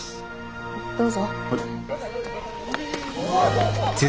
どうぞ。